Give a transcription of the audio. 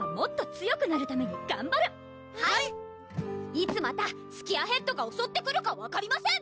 いつまたスキアヘッドがおそってくるか分かりません！